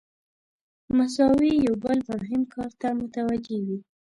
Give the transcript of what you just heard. مساوي یو بل مهم کار ته متوجه وي.